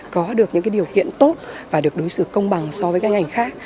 có được những điều kiện tốt và được đối xử công bằng so với các ngành khác